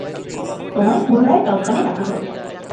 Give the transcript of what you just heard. তোমায় পুনরায় টপ গান-এ ডাকা হয়েছে।